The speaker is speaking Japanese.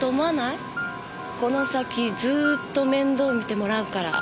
この先ずーっと面倒見てもらうから。